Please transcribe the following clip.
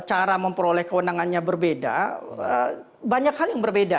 cara memperoleh kewenangannya berbeda banyak hal yang berbeda